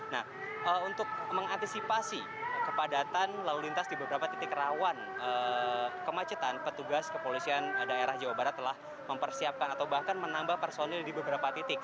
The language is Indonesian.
nah untuk mengantisipasi kepadatan lalu lintas di beberapa titik rawan kemacetan petugas kepolisian daerah jawa barat telah mempersiapkan atau bahkan menambah personil di beberapa titik